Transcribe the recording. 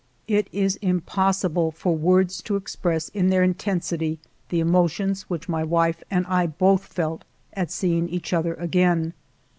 It is impossible for words to express in their intensity the emotions which my wife and I both felt at seeing each other again.